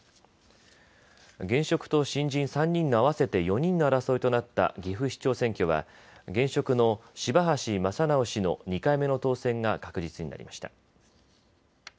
現職と新人３人の合わせて４人の争いとなった岐阜市長選挙は現職の柴橋正直氏の２回目の当選が確実になりました。